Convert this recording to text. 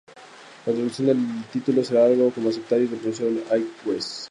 La traducción del título sería algo como "Aceptar", y se pronunciaría "Ak-wi-es".